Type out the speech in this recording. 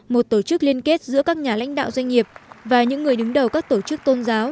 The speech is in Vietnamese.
một tổ chức liên kết giữa các nhà lãnh đạo doanh nghiệp và những người đứng đầu các tổ chức tôn giáo